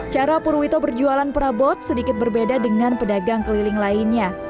cara purwito berjualan perabot sedikit berbeda dengan pedagang keliling lainnya